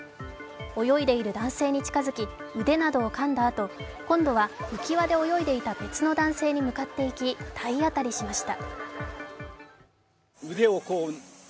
泳いでいる男性に近づき、腕などをかんだあと、今度は浮き輪で泳いでいた別の男性に向かっていき体当たりしました。